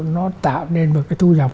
nó tạo nên một cái thu nhập